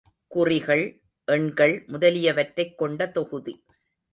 குறிகள், எண்கள் முதலியவற்றைக் கொண்ட தொகுதி.